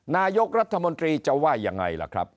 นายกรัฐมนตรีจะว่ายังไงล่ะครับ